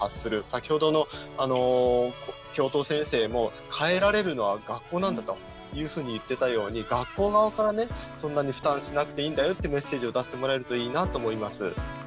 先ほどの教頭先生も変えられるのは学校なんだというふうに言ってたように学校側から、そんなに負担しなくていいんだよってメッセージを出してもらえるといいなと思います。